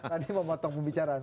tadi mau motong pembicaraan